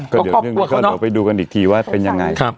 ก็เดี๋ยวไปดูกันอีกทีว่าเป็นยังไง